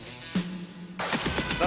さあ